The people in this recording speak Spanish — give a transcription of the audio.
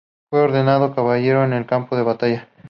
Fue ordenado caballero en el campo de batalla.